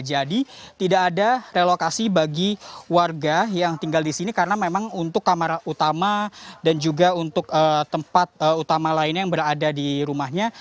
jadi tidak ada relokasi bagi warga yang tinggal di sini karena memang untuk kamar utama dan juga untuk tempat utama lain yang berada di rumahnya